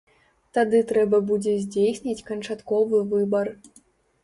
Тады трэба будзе здзейсніць канчатковы выбар.